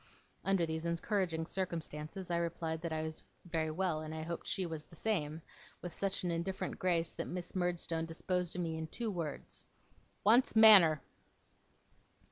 Under these encouraging circumstances, I replied that I was very well, and that I hoped she was the same; with such an indifferent grace, that Miss Murdstone disposed of me in two words: 'Wants manner!